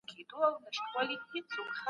د پوسته خانې ټاپه په وړانګو سره لوستل کیږي.